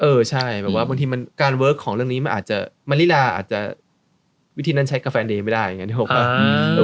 เออใช่แบบว่าบางทีมันการเวิร์คของเรื่องนี้มันอาจจะมะลิลาอาจจะวิธีนั้นใช้กาแฟเดย์ไม่ได้อย่างนี้นึกออกป่ะ